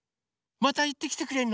またいってきてくれるの？